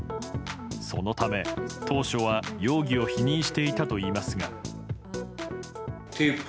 そのため、当初は容疑を否認していたといいますが。